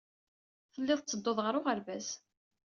Tellid tetteddud ɣer uɣerbaz.